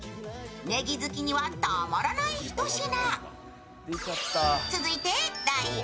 ネギ好きにはたまらないひと品。